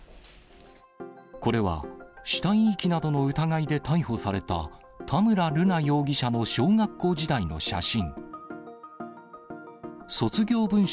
これは死体遺棄などの疑いで逮捕された田村瑠奈容疑者の小学校時代の写真。